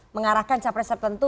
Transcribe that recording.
mengarahkan capres tertentu